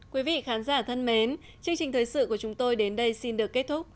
quý vị khán giả thân mến chương trình thời sự của chúng tôi đến đây xin được kết thúc